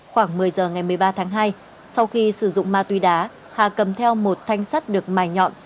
khoảng một mươi giờ ngày một mươi ba tháng hai sau khi sử dụng ma túy đá hà cầm theo một thanh sắt được mài nhọn